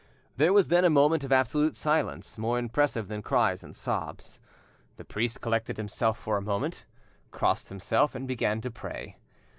There was then a moment of absolute silence, more impressive than cries and sobs. The priest collected himself for a moment, crossed himself, and began to pray.